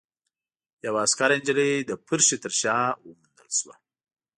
يوه عسکره نجلۍ د پرښې تر شا وموندل شوه.